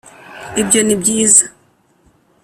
ibyo ni byiza.